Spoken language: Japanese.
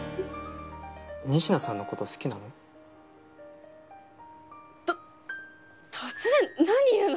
仁科さんのこと好きなの？と突然何言うの。